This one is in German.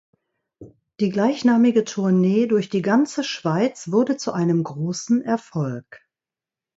Die gleichnamige Tournee durch die ganze Schweiz wurde zu einem grossen Erfolg.